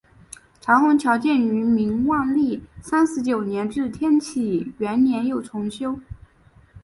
长虹桥建于明万历三十九年至天启元年又重修。